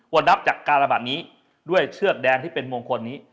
นับจากการระบาดนี้ด้วยเชือกแดงที่เป็นมงคลนี้